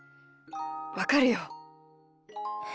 わかるよ。